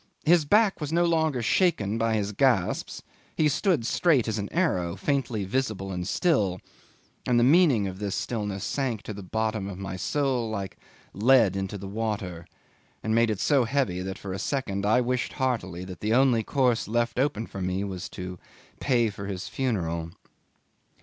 His back was no longer shaken by his gasps; he stood straight as an arrow, faintly visible and still; and the meaning of this stillness sank to the bottom of my soul like lead into the water, and made it so heavy that for a second I wished heartily that the only course left open for me was to pay for his funeral.